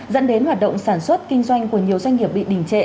dẫn đến hoạt động sản xuất kinh doanh của nhiều doanh nghiệp bị đình trệ